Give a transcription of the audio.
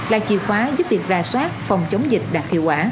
là chìa khóa giúp việc rà soát phòng chống dịch đạt hiệu quả